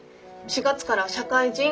４月から社会人。